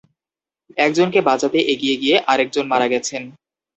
একজনকে বাঁচাতে এগিয়ে গিয়ে আরেকজন মারা গেছেন।